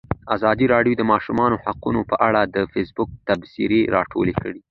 ازادي راډیو د د ماشومانو حقونه په اړه د فیسبوک تبصرې راټولې کړي.